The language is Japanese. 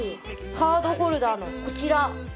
カードホルダーのこちら。